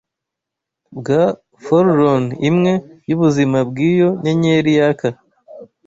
bwa forlorn-imwe yubuzima bwiyo nyenyeri yaka